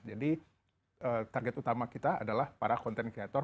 jadi target utama kita adalah para content creator